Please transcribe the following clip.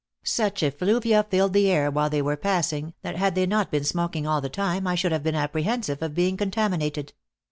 Such effluvia filled the air while they were passing, that had they not been smoking all the time, I should have been apprehensive of being contaminated.